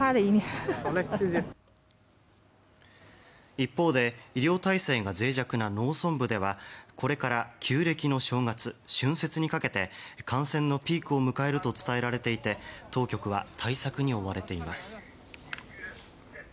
一方で医療態勢がぜい弱な農村部ではこれから旧暦の正月、春節にかけて感染のピークを迎えると伝えられていて当局は対策に追われています。